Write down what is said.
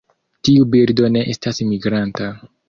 Tiu birdo ne estas migranta.